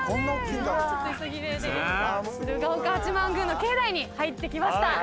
鶴岡八幡宮の境内に入ってきました。